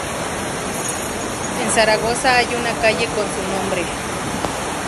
En Zaragoza hay una calle con su nombre.